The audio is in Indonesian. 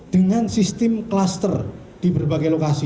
dengan sistem klaster di berbagai lokasi